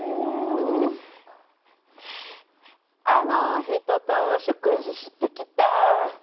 「あの人と食事してきた」